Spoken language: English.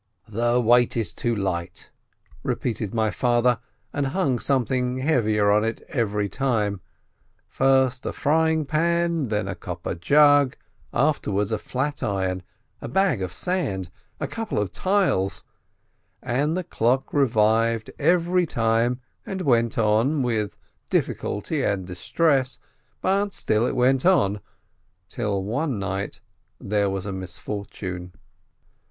"The weight is too light," repeated my father, and hung something heavier onto it every time, first a frying pan, then a copper jug, afterwards a flat iron, a bag of sand, a couple of tiles — and the clock revived every THE CLOCK 121 time and went on, with difficulty and distress, but still it went — till one night there was a misfortune.